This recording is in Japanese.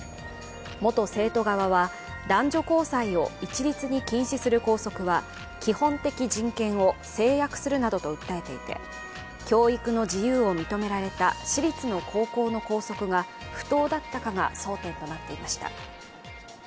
元生徒側は男女交際を一律に禁止する校則は基本的人権を制約するなどと訴えていて教育の自由を認められた私立の高校の校則が不当だったかが争点となっていました。